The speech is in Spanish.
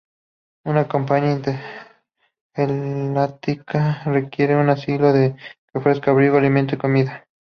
Una campaña intergaláctica requiere un asilo que ofrezca abrigo, alimento y comodidad.